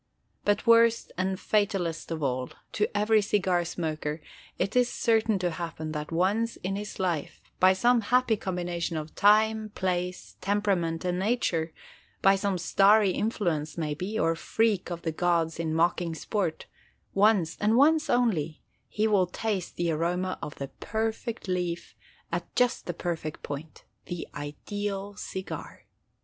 But worst and fatallest of all, to every cigar smoker it is certain to happen that once in his life, by some happy combination of time, place, temperament, and Nature—by some starry influence, maybe, or freak of the gods in mocking sport—once, and once only, he will taste the aroma of the perfect leaf at just the perfect point—the ideal cigar.